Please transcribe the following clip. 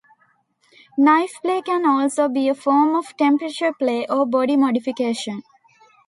Knife play can also be a form of temperature play or body modification.